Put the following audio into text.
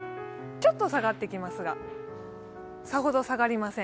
それが明日もまだちょっと下がってきますがさほど下がりません。